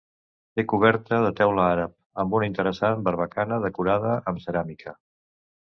Té coberta de teula àrab, amb una interessant barbacana decorada amb ceràmica.